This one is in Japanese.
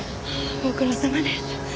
ご苦労さまです。